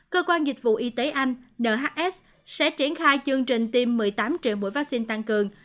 cơ quan dịch vụ y tế anh nhs sẽ triển khai chương trình tiêm một mươi tám triệu mũi vaccine tăng cường